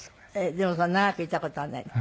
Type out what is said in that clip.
でもそんな長くいた事はない。